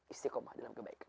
istiqomah dalam kebaikan